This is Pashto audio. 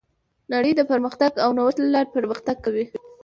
نړۍ د پرمختګ او نوښت له لارې پرمختګ کوي.